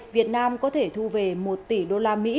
việt nam có thể thu về một tỷ usd